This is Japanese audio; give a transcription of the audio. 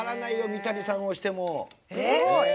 三谷さんをしても。